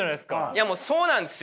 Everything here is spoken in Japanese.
いやそうなんですよ。